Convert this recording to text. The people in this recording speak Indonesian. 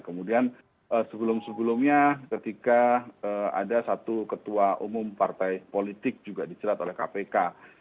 kemudian sebelum sebelumnya ketika ada satu ketua umum partai politik juga dicerat oleh kpk